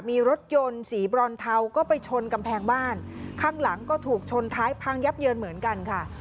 มีรถยนต์สีบรอนเทาก็ไปชนกำแพงบ้านข้างหลังก็ถูกชนท้ายพังยับเยินเหมือนกันค่ะ